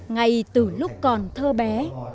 ngay từ lúc còn thơ bé